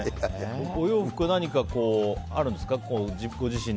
お洋服は何かあるんですか？